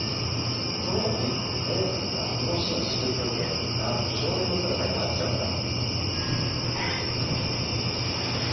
その時オオカミはその死に刺激を受けなんと少年の姿になっちゃうんだ。